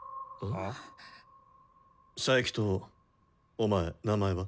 佐伯とお前名前は？